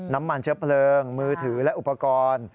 น้ำมันเชื้อเพลิงมือถือและอุปกรณ์